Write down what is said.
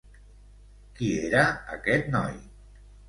Qui era aquest noi?